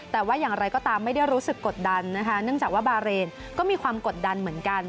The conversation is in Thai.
แต่ว่าอย่างไรก็ตามไม่ได้รู้สึกกดดันนะคะเนื่องจากว่าบาเรนก็มีความกดดันเหมือนกัน